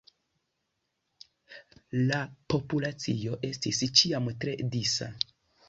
La populacio estis ĉiam tre disa.